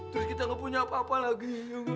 terus kita gak punya apa apa lagi